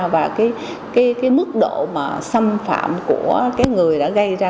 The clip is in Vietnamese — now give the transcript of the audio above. và cái mức độ mà xâm phạm của cái người đã gây ra